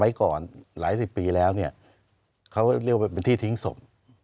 ก่อนหลายสิบปีแล้วเนี่ยเขาเรียกว่าเป็นที่ทิ้งศพ